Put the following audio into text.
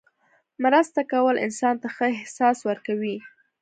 مرسته کول انسان ته ښه احساس ورکوي.